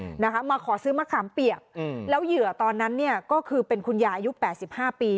นะคะมาขอซื้อมะขามเปียกอืมแล้วเหยื่อตอนนั้นเนี้ยก็คือเป็นคุณยายอายุแปดสิบห้าปี